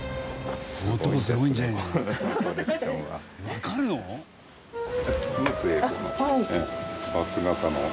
わかるの？